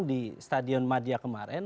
di stadion madia kemarin